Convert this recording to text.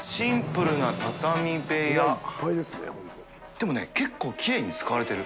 でもね結構きれいに使われてる。